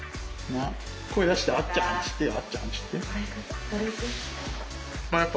声出してあっちゃんって言ってあっちゃんって言って。